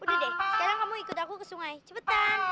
aduh deh sekarang kamu ikut aku ke sungai cepetan